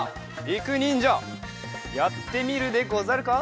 りくにんじゃやってみるでござるか？